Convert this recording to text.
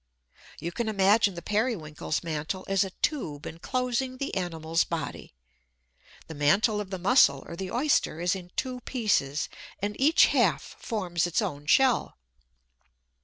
You can imagine the Periwinkle's mantle as a tube enclosing the animal's body. The mantle of the Mussel or the Oyster is in two pieces; and each half forms its own shell.